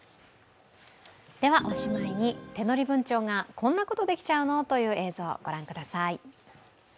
おしまいに手乗り文鳥が、こんなことできちゃうの？という映像御覧ください。